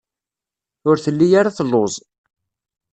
Ur telli ara telluẓ.